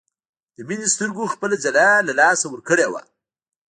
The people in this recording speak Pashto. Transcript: د مينې سترګو خپله ځلا له لاسه ورکړې وه